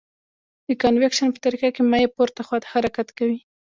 د کانویکشن په طریقه کې مایع پورته خواته حرکت کوي.